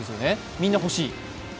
みんな欲しい。